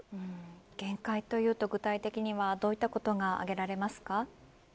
限界というと具体的にはどんなことが挙げられますか。